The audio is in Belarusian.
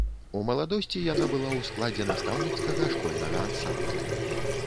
У маладосці яна была ў складзе настаўніцкага школьнага ансамбля.